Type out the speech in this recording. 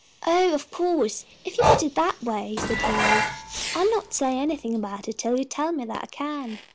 "Oh, of course, if you put it that way," said Lloyd, "I'll not say anything about it till you tell me that I can."